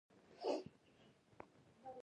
سوله به راشي؟